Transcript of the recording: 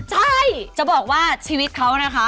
ใช่จะบอกว่าชีวิตเขานะคะ